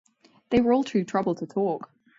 They were all too troubled to talk.